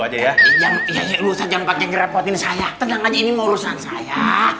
aja ya jangan jangan pakai ngerepotin saya tenang aja ini urusan saya